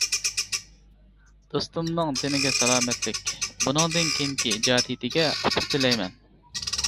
دوستۇمنىڭ تېنىگە سالامەتلىك، بۇنىڭدىن كېيىنكى ئىجادىيىتىگە ئۇتۇق تىلەيمەن.